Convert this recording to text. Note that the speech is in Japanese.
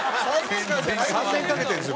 ３年かけてんですよ